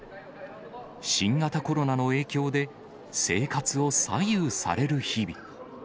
新型コロナの影響で、生活を左右される日々。